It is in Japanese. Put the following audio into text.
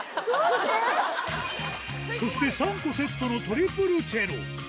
そして３個セットのトリプルチェロ。